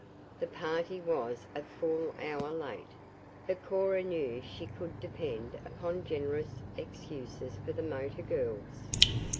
The party was a full hour late, but Cora knew she could depend upon generous excuses for the motor girls.